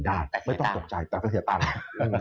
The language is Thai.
แต่สาเหต่างก็เสียตังค์